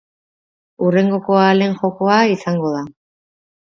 Hurrengo koalen jokoa izango da.